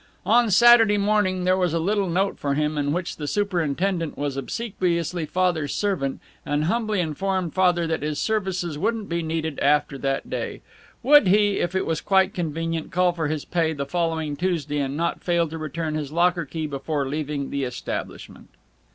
On Saturday morning there was a little note for him in which the superintendent was obsequiously Father's servant, and humbly informed Father that his services wouldn't be needed after that day. Would he, if it was quite convenient, call for his pay the following Tuesday, and not fail to turn in his locker key before leaving the establishment?